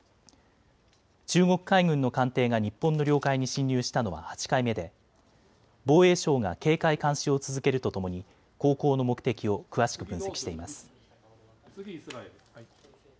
中国海軍の艦艇が日本の領海に侵入したのは８回目で防衛省が警戒・監視を続けるとともに航行の目的を詳しく分析しています。